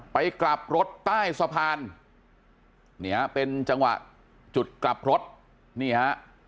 ไปกลับรถใต้สะพานเนี่ยเป็นจังหวะจุดกลับรถนี่ฮะ